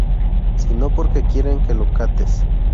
sino porque quieren que lo cates